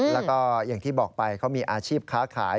แล้วก็อย่างที่บอกไปเขามีอาชีพค้าขาย